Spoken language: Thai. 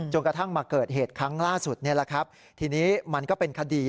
กระทั่งมาเกิดเหตุครั้งล่าสุดนี่แหละครับทีนี้มันก็เป็นคดี